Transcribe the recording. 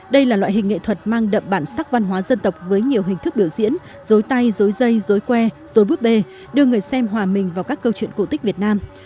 đây là loại hình nghệ thuật mang đậm bản sắc văn hóa dân tộc với nhiều hình thức biểu diễn dối tay dối dây dối que dối búp bê đưa người xem hòa mình vào các câu chuyện cổ tích việt nam